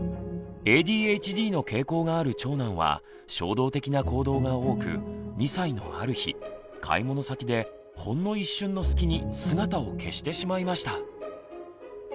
ＡＤＨＤの傾向がある長男は衝動的な行動が多く２歳のある日買い物先でほんの一瞬のすきに姿を消してしまいました。